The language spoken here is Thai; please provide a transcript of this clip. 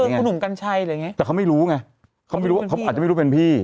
คุณหนุ่มกัญชัยอะไรอย่างเงี้แต่เขาไม่รู้ไงเขาไม่รู้ว่าเขาอาจจะไม่รู้เป็นพี่